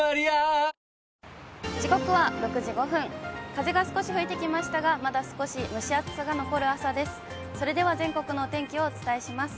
風が少し吹いてきましたが、まだ少し蒸し暑さが残る朝です。